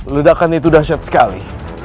ledakan itu dahsyat sekali